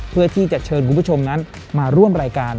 เพื่อที่จะเชิญคุณผู้ชมนั้นมาร่วมรายการ